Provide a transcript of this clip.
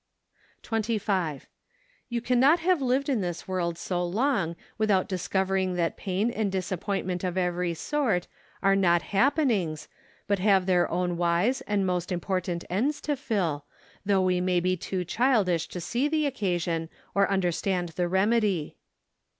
25. You cannot have lived in this world so long without discovering that pain and disappointment of every sort are not hap¬ penings, but have their own wise and most important ends to fulfill, though we may be too childish to see the occasion, or under¬ stand the remedy.